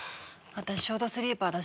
私ショートスリーパーだし。